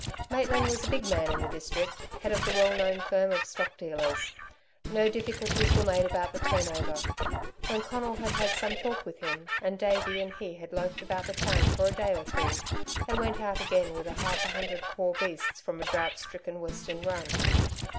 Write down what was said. Maitland was a big man in the district, head of the well known firm of stock dealers; no difficulties were made about the turn over. When Conal had had some talk with him, and Davey and he had loafed about the town for a day or two, they went out again with half a hundred poor beasts from a drought stricken Western run.